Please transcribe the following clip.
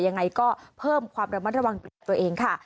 ยังไงก็เพิ่มความระมัดระวังกับตัวเองค่ะ